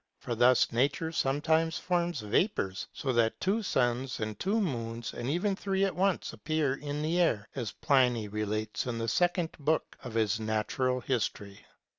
For thus nature 350 THE NON EXISTENCE OF MAGIC. sometimes forms vapors, so that two suns and two moons, and even three at once, appear in the air, as Pliny relates in the second book of his natural history.